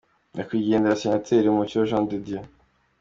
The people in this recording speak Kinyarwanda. Nyakwigendera Senateri Mucyo Jean de Dieu